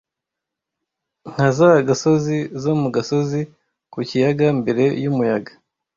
Nka za gasozi zo mu gasozi ku kiyaga mbere yumuyaga?